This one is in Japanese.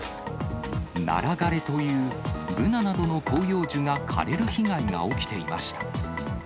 ナラ枯れという、ブナなどの広葉樹が枯れる被害が起きていました。